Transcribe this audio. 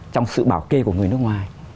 trong sự bảo kê của người nước ngoài